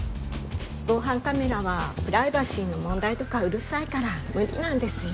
防犯カメラはプライバシーの問題とかうるさいから無理なんですよ